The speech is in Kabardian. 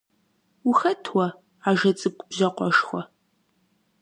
Ухэт уэ, ажэ цӀыкӀу бжьакъуэшхуэ?